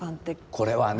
これはね